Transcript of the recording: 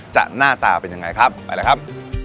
หน้าตาเป็นยังไงครับไปเลยครับ